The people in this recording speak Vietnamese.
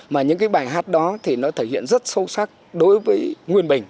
mà những cái bài hát đó thì nó thể hiện rất sâu sắc đối với nguyên bình